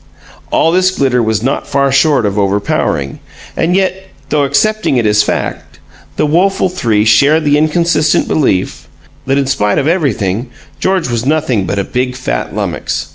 All this glitter was not far short of overpowering; and yet, though accepting it as fact, the woeful three shared the inconsistent belief that in spite of everything George was nothing but a big, fat lummox.